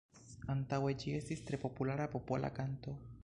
Antaŭe ĝi estis tre populara popola kanto.